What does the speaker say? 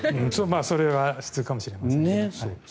まあそれが普通かもしれませんが。